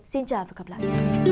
xin chào và hẹn gặp lại